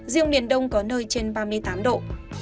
riêng miền đông có nơi trên ba mươi tám độ